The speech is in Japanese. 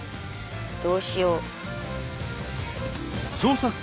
どうしよう。